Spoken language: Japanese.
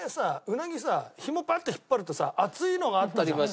うなぎひもバッと引っ張るとさ熱いのがあったじゃん。